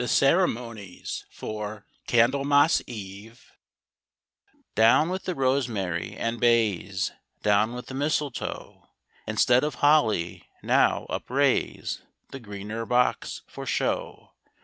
CEREMONIES FOR CANDLEMAS EVE Down with the rosemary and bays, Down with the misletoe; Instead of holly, now up raise The greener box, for show.